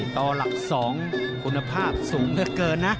ตหลัก๒คุณภาพสูงเท่าเกินนะ